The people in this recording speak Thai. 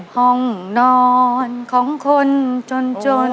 ห้องนอนของคนจน